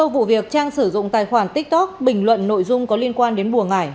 sau vụ việc trang sử dụng tài khoản tiktok bình luận nội dung có liên quan đến buồn ngại